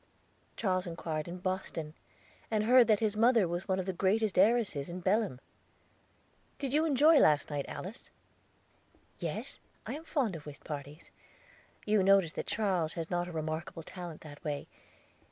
"Charles inquired in Boston, and heard that his mother was one of the greatest heiresses in Belem." "Did you enjoy last night, Alice?" "Yes, I am fond of whist parties. You noticed that Charles has not a remarkable talent that way.